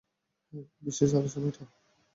এই বিশেষ আলোচনাটা?